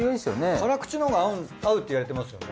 辛口のほうが合うって言われてますよね。